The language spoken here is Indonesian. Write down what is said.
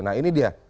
nah ini dia